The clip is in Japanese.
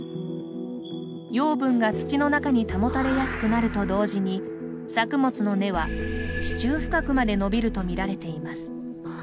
養分が土の中に保たれやすくなると同時に、作物の根は地中深くまで伸びるとみられています。